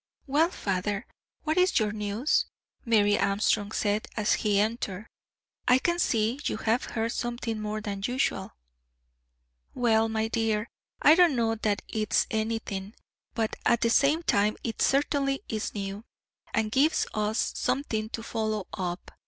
"Well, father, what is your news?" Mary Armstrong said, as he entered. "I can see you have heard something more than usual." "Well, my dear, I don't know that it's anything, but at the same time it certainly is new, and gives us something to follow up.